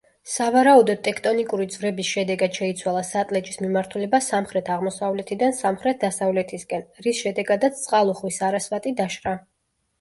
სავარაუდოდ, ტექტონიკური ძვრების შედეგად შეიცვალა სატლეჯის მიმართულება სამხრეთ-აღმოსავლეთიდან სამხრეთ-დასავლეთისკენ, რის შედეგადაც წყალუხვი სარასვატი დაშრა.